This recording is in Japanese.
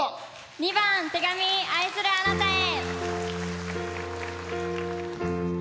２番「手紙愛するあなたへ」。